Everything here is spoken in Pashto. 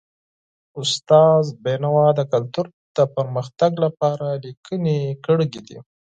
استاد بینوا د کلتور د پرمختګ لپاره لیکني کړي دي.